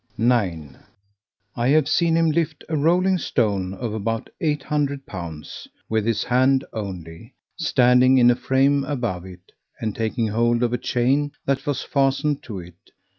9. I have seen him lift a rolling stone of about 800 lib. with his hand only, standing in a frame above it, and taking hold of a chain that was fastened to it.